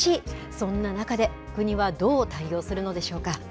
そんな中で、国はどう対応するのでしょうか。